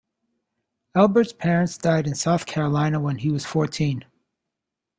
Elbert's parents died in South Carolina when he was fourteen.